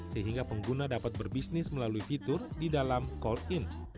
sehingga pengguna dapat berbisnis melalui fitur di dalam call in